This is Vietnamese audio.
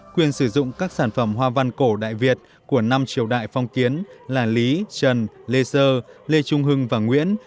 quyền sử dụng các sản phẩm hoa văn cổ đại việt của năm triều đại phong kiến là lý trần lê sơ lê trung hưng và nguyễn